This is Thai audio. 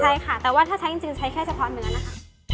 ใช่ค่ะแต่ว่าถ้าใช้จริงใช้แค่เฉพาะเนื้อนะคะ